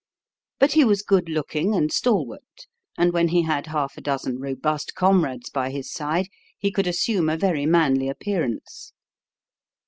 But he was good looking and stalwart, and when he had half a dozen robust comrades by his side he could assume a very manly appearance.